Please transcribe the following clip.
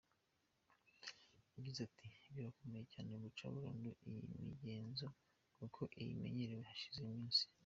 Yagize ati “ Birakomeye cyane guca burundu iyi migenzo kuko ni imyemerere yashinze imizi.